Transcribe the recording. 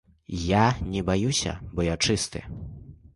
Я не баюся, бо я чысты.